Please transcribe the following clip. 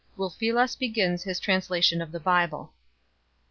Ulfilas begins his translation of the Bible.